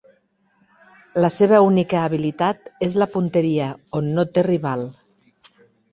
La seva única habilitat és la punteria, on no té rival.